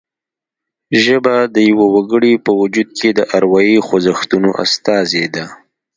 ژبه د یوه وګړي په وجود کې د اروايي خوځښتونو استازې ده